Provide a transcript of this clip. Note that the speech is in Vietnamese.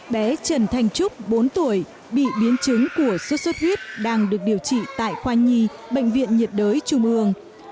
bé trần thanh trúc bốn tuổi bị biến chứng của sốt xuất huyết đang được điều trị tại khoa nhi bệnh viện nhiệt đới trung ương